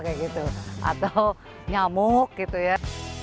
atau nyamuk gitu ya